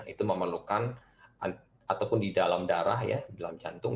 itu memerlukan ataupun di dalam darah ya di dalam jantung